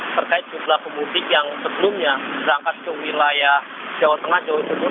terkait jumlah pemudik yang sebelumnya berangkat ke wilayah jawa tengah jawa timur